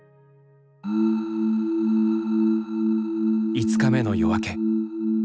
５日目の夜明け。